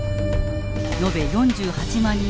のべ４８万